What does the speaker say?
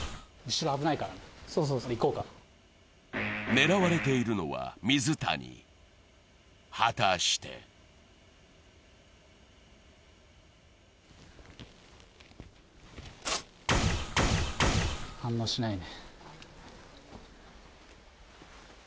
狙われているのは水谷、果たして反応しないね。